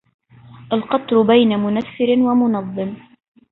القطر بين منثر ومنظم